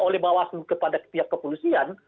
oleh bawaslu kepada pihak kepolisian